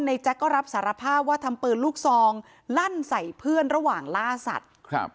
แจ๊กก็รับสารภาพว่าทำปืนลูกซองลั่นใส่เพื่อนระหว่างล่าสัตว์ครับ